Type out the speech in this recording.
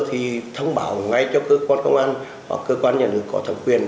thì thông báo ngay cho cơ quan công an hoặc cơ quan nhà nước có thẩm quyền